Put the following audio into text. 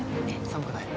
寒くない？